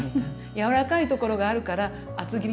柔らかいところがあるから厚切りにしてみました。